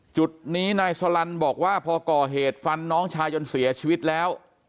จุดนี้นายสลันบอกว่าพอก่อเหตุฟันน้องชายจนเสียชีวิตแล้ว